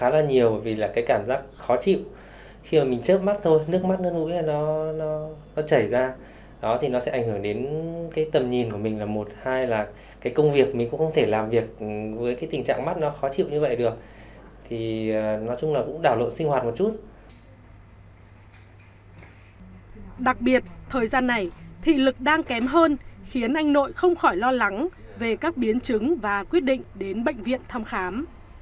đặc biệt thời gian này thị lực đang kém hơn khiến anh nội không khỏi lo lắng về các biến chứng và quyết định đến bệnh viện thăm khám